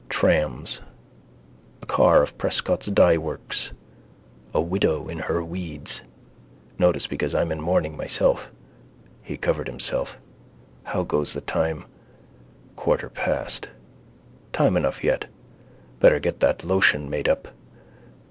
Trams: a car of Prescott's dyeworks: a widow in her weeds. Notice because I'm in mourning myself. He covered himself. How goes the time? Quarter past. Time enough yet. Better get that lotion made up.